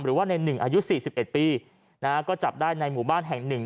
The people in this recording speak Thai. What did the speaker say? หรือว่าในหนึ่งอายุสี่สิบเอ็ดปีนะฮะก็จับได้ในหมู่บ้านแห่งหนึ่ง